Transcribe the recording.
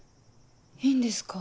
いいんですか？